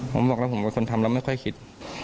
ผมบอกแล้วผมเป็นคนทำแล้วไม่ค่อยคิด